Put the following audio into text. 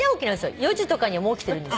４時とかにもう起きてるんです。